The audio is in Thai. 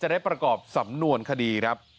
ได้ประกอบสำนวนคดีครับ